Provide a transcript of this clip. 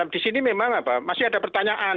di sini memang masih ada pertanyaan